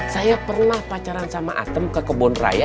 saya pernah pacaran sama atem ke kebun raya